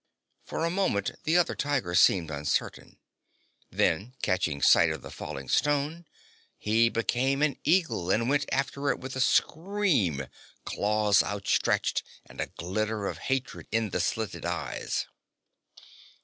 For a moment, the other tiger seemed uncertain. Then, catching sight of the falling stone, he became an eagle, and went after it with a scream, claws outstretched and a glitter of hatred in the slitted eyes.